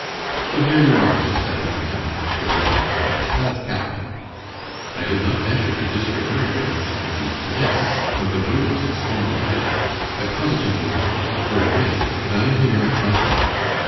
"So here you are," said Stepan Arkadyevitch, giving him his hand. "That's capital." "I did not venture to disregard your excellency's commands, though the road was extremely bad. I positively walked the whole way, but I am here at my time.